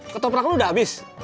ketoprak lo udah habis